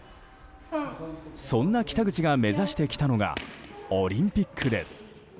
そんな北口が目指してきたのがオリンピックです。